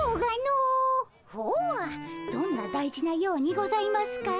ほおどんな大事な用にございますか？